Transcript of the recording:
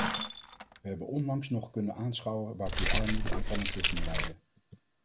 We hebben onlangs nog kunnen aanschouwen waartoe armoede en fanatisme leiden.